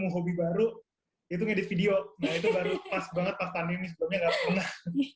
hobi baru itu ngedit video nah itu baru pas banget pas pandemi sebelumnya nggak pernah